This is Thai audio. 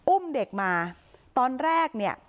อุ้มเด็กมาตอนแรกเนี่ย